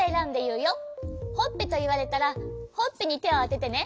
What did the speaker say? ほっぺといわれたらほっぺにてをあててね。